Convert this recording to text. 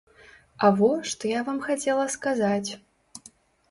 А во што я вам хацела сказаць.